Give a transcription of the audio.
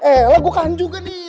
elah gue khan juga nih